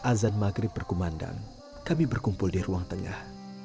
azan maghrib berkumandang kami berkumpul di ruang tengah